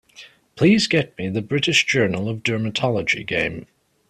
Please get me the British Journal of Dermatology game.